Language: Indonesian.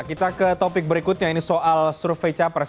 kita ke topik berikutnya ini soal survei capres